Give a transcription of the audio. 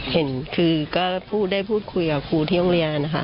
เห็นคือก็ได้พูดคุยกับครูที่โรงเรียนนะคะ